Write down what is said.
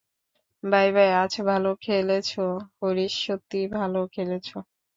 By, bye আজ ভালো খেলেছো, হরিশ, সত্যিই ভালো খেলেছ।